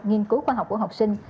nghiên cứu khoa học của học sinh